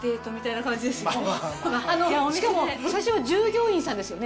しかも最初は従業員さんですよね？